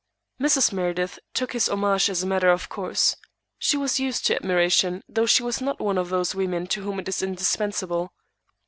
Mrs. Meredith took his homage as a matter of course. She was used to admiration, though she was not one of those women to whom it is indispensable.